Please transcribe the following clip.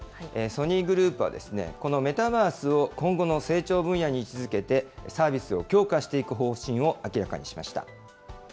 ソニーグループは、このメタバースを今後の成長分野に位置づけて、サービスを強化していく方針を明らかにしました。